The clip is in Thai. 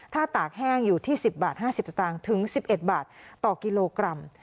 ถ้าตากแห้งอยู่ที่สิบบาทห้าสิบสตางค์ถึงสิบเอ็ดบาทต่อกิโลกรัม